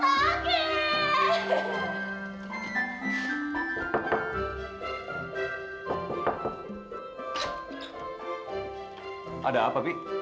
dedy jahat dedy jahat